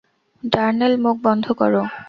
ডার্নেল, মুখ বন্ধ করো!